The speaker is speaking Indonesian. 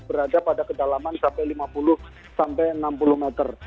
berada pada kedalaman sampai lima puluh sampai enam puluh meter